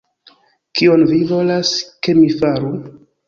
Kion vi volas, ke mi faru?